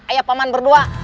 ayah paman berdua